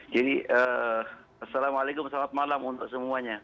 jadi assalamu'alaikum salam malam untuk semuanya